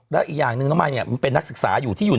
แล้วอีกอย่างหนึ่งน้องมายเนี่ยมันเป็นนักศึกษาอยู่ที่อยู่